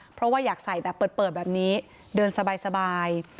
เพราะว่าอยากใส่แบบเปิดแบบนี้เดินสบาย